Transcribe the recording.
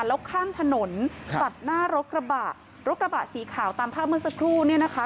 แล้วข้ามถนนตัดหน้ารถกระบะรถกระบะสีขาวตามภาพเมื่อสักครู่เนี่ยนะคะ